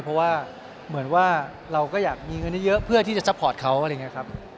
เพราะว่าเหมือนว่าเราก็อยากมีเงินเยอะเพื่อที่จะซัพพอร์ตเขาอะไรอย่างนี้ครับ